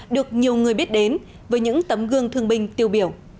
được nhiều người biết đến với những tấm gương thương binh tiêu biểu